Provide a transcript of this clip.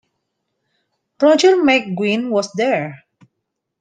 Roger McGuinn was there.